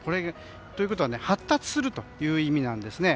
ということは発達するという意味なんですね。